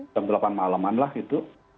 jam delapan malaman lah gitu